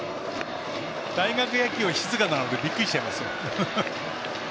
大学野球は静かなのでびっくりしちゃいますよ。